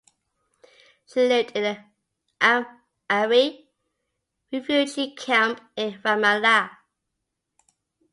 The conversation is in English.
She lived in the Am'ari Refugee Camp in Ramallah.